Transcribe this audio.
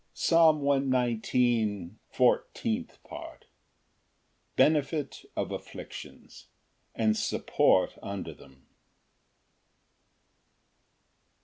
Psalm 119:14. Fourteenth Part. Benefit of afflictions, and support under them.